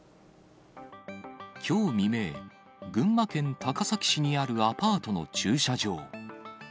きょう未明、群馬県高崎市にあるアパートの駐車場。